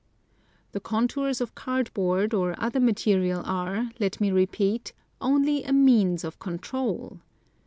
The contours of card board or other material are, let me repeat, only a means of control.